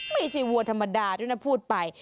วัวธรรมดาด้วยนะพูดไป